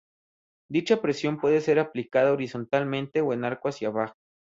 Dicha presión puede ser aplicada horizontalmente o en arco hacia abajo.